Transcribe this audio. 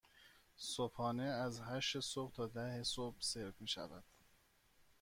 صبحانه از هشت صبح تا ده صبح سرو می شود.